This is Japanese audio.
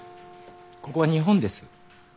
ここは日本です。